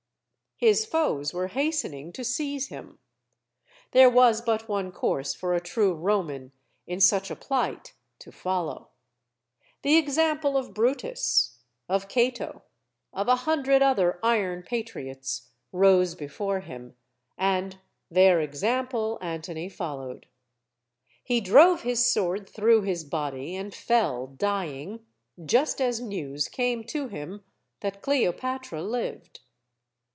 His foes were hastening to seize him. There was but one course for a true Roman in such a plight to follow. The example of Brutus, of Cato, of a hundred other iron patriots, rose before him. And their ex ample Antony followed. He drove his sword through his body and fell dying, just as news came to him that Celopatra lived.